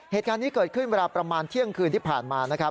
เหตุการณ์นี้เกิดขึ้นเวลาประมาณเที่ยงคืนที่ผ่านมานะครับ